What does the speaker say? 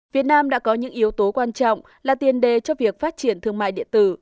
việt nam đã có những yếu tố quan trọng là tiền đề cho việc phát triển thương mại điện tử